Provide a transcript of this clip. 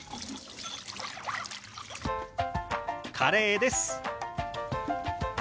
カレーです。